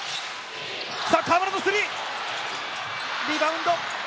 河村のスリー、リバウンド！